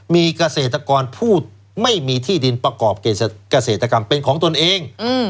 มีเกษตรกรผู้ไม่มีที่ดินประกอบเกษตรกรรมเป็นของตนเอง